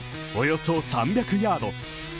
およそ３００ヤード。